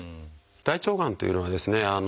大腸がんっていうのはですね